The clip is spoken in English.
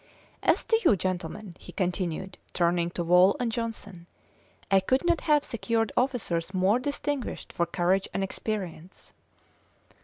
"As to you, gentlemen," he continued, turning to Wall and Johnson, "I could not have secured officers more distinguished for courage and experience."